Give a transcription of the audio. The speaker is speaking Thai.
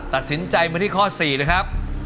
ตัดสินใจมาที่ข้อ๔นะครับ